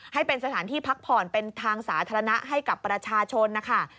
ให้เป็นสถานที่พักผ่อนเป็นทางสาธารณะให้กับประชาชนนะคะ